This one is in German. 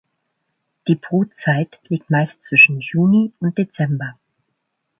Die Brutzeit liegt meist zwischen Juni und Dezember.